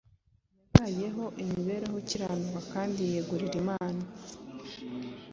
yabayeho imibereho ikiranuka kandi yiyeguriye Imana.